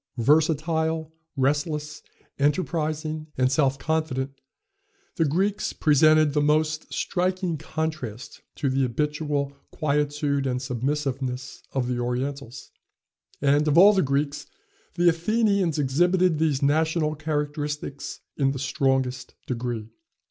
Versatile, restless, enterprising, and self confident, the Greeks presented the most striking contrast to the habitual quietude and submissiveness of the Orientals; and, of all the Greeks, the Athenians exhibited these national characteristics in the strongest degree.